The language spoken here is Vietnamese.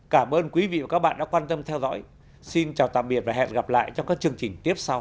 cảm ơn quý vị và các bạn đã quan tâm theo dõi xin chào tạm biệt và hẹn gặp lại trong các chương trình tiếp sau